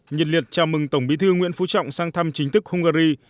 nhật liệt chào mừng tổng bí thư nguyễn phú trọng sang thăm chính thức hungary